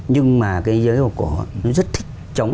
nhưng mà cái giới hồ cổ nó rất thích chống